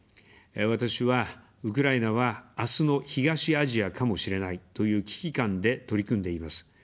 私は「ウクライナは、あすの東アジアかもしれない」という危機感で取り組んでいます。